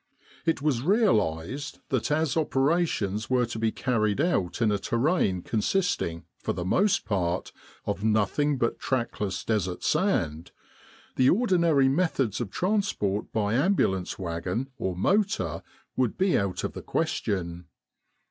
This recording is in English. It was realised that as operations were to be carried out in a terrain consisting, for the most part, of nothing but trackless desert sand, the or dinary methods of transport by ambulance wagon or motor would be out of the question.